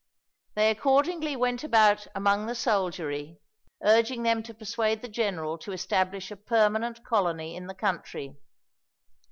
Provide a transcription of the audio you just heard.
They accordingly went about among the soldiery, urging them to persuade the general to establish a permanent colony in the country.